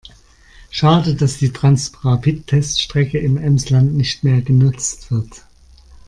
Schade, dass die Transrapid-Teststrecke im Emsland nicht mehr genutzt wird.